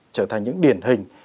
trở thành những điển hình